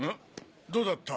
どうだった？